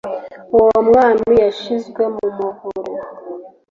uwo mwami yashyizwe mu muvure